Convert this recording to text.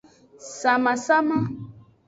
Samasama.